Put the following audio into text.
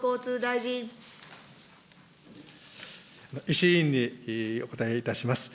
石井委員にお答えをいたします。